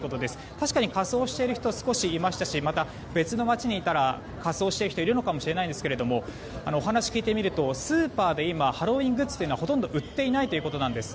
確かに仮装している人少しはいましたしまた別の街にいたら仮装している人はいるのかもしれませんがお話を聞いてみるとスーパーで今ハロウィーングッズはほとんど売っていないということです。